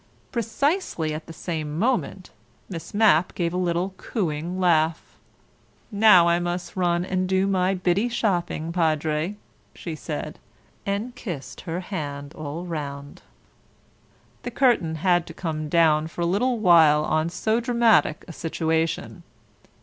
... Precisely at the same moment Miss Mapp gave a little cooing laugh. "Now I must run and do my bittie shopping, Padre," she said, and kissed her hand all round. ... The curtain had to come down for a little while on so dramatic a situation.